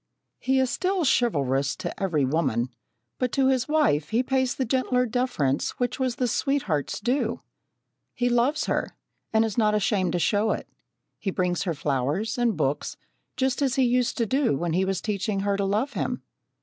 He is still chivalrous to every woman, but to his wife he pays the gentler deference which was the sweetheart's due. He loves her, and is not ashamed to show it. He brings her flowers and books, just as he used to do when he was teaching her to love him.